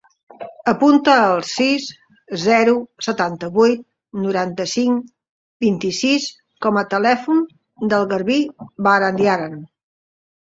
Apunta el sis, zero, setanta-vuit, noranta-cinc, vint-i-sis com a telèfon del Garbí Barandiaran.